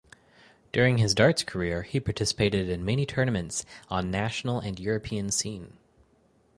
During his darts career he participated in many tournaments on national and European scene.